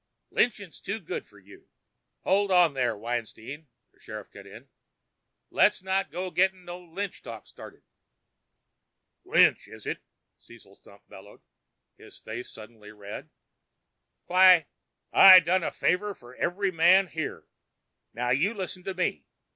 Lynching's too good for you!" "Hold on there, Weinstein," the sheriff cut in. "Let's not go gettin' no lynch talk started." "Lynch, is it!" Cecil Stump bellowed, his face suddenly red. "Why, I done a favor for every man here! Now you listen to me!